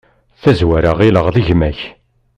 Tazwara ɣilleɣ d gma-k.